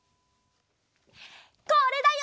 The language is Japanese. これだよ！